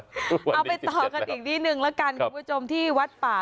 เอาไปต่อกันอีกนิดนึงแล้วกันคุณผู้ชมที่วัดป่า